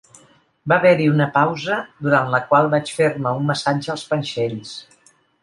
Va haver-hi una pausa, durant la qual vaig fer-me un massatge als panxells.